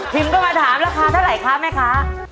ก็มาถามราคาเท่าไหร่คะแม่คะ